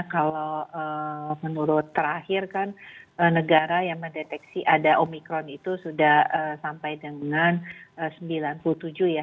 kalau menurut terakhir kan negara yang mendeteksi ada omikron itu sudah sampai dengan sembilan puluh tujuh ya